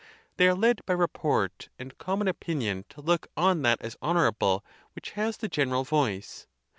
They are led by report and common opinion to look on that as honorable which has the general voice.